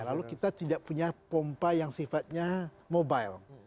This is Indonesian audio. lalu kita tidak punya pompa yang sifatnya mobile